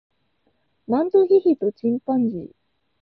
マントヒヒとチンパンジー